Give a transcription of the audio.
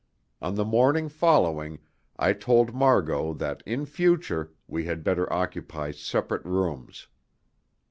On the morning following I told Margot that in future we had better occupy separate rooms.